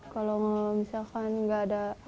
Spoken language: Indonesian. kalau misalkan gak ada